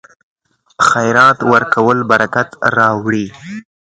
خیرات ورکول برکت راوړي.